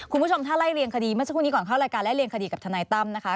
คุณผู้ชมถ้าไล่เรียงคดีเมื่อสักครู่นี้ก่อนเข้ารายการไล่เรียงคดีกับทนายตั้มนะคะ